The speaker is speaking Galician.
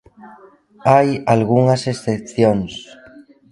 Hai algunhas excepcións.